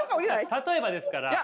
例えばですから。